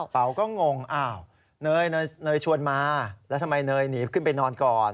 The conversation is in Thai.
เป๋าก็งงอ้าวเนยชวนมาแล้วทำไมเนยหนีขึ้นไปนอนก่อน